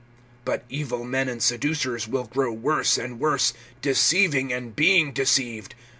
(13)But evil men and seducers will grow worse and worse, deceiving, and being deceived.